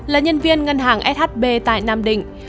là nhân viên ngân hàng shb tại nam định